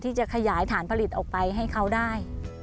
ที่จะขยายฐานผลิตออกไปให้เขาได้